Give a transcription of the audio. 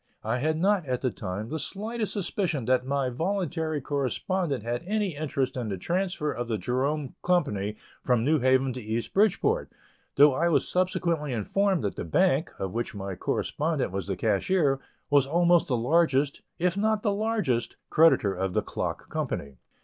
I had not, at the time, the slightest suspicion that my voluntary correspondent had any interest in the transfer of the Jerome Company from New Haven to East Bridgeport, though I was subsequently informed that the bank, of which my correspondent was the cashier, was almost the largest, if not the largest, creditor of the clock company.